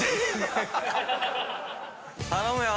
頼むよ！